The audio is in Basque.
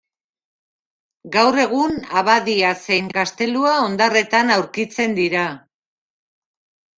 Gaur egun abadia zein gaztelua hondarretan aurkitzen dira.